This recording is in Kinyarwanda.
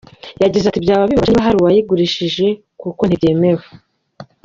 Yagize ati “Byaba bibabaje niba hari uwayigurishije kuko ntibyemewe.